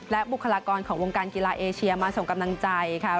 และบุคลากรของวงการกีฬาเอเชียมาส่งกำลังใจค่ะ